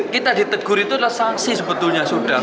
kita ditegur itu adalah sanksi sebetulnya sudah